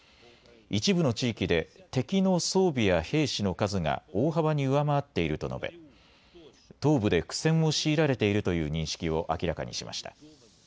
一部の地域で敵の装備や兵士の数が大幅に上回っていると述べ東部で苦戦を強いられているという認識を明らかにしました。